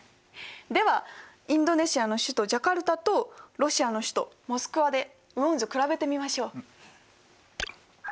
ではインドネシアの首都ジャカルタとロシアの首都モスクワで雨温図を比べてみましょう。